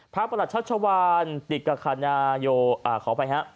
พระประหลัดชัชวานติกคาญาโยอ่าขออภัยฮะ